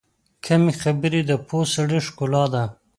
کمې خبرې، د پوه سړي ښکلا ده.